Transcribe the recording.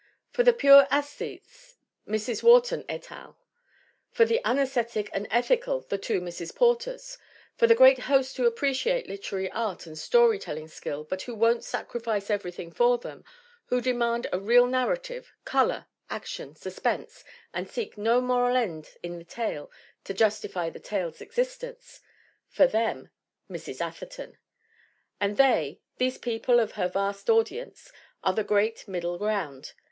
For the pure aesthetes Mrs. Wharton et al. For the unsesthetic and ethical the two Mrs. Porters. For the great host who appreciate literary art and story telling skill but who won't sacrifice everything for them, who demand a real narrative, color, action, suspense and seek no GERTRUDE ATHERTON 45 moral end in the tale to justify the tale's existence for them Mrs. Atherton. And they these people of her vast audience are the great middle ground.